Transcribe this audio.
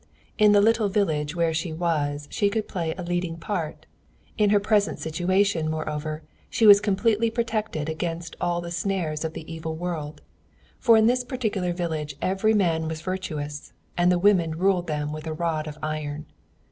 In the little village where she was she could play a leading part. In her present situation, moreover, she was completely protected against all the snares of the evil world, for in this particular village every man was virtuous, and the women ruled them with a rod of iron.